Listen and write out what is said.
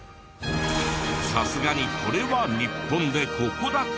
さすがにこれは日本でここだけ。